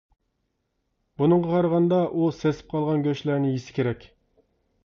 بۇنىڭغا قارىغاندا، ئۇ سېسىپ قالغان گۆشلەرنى يېسە كېرەك.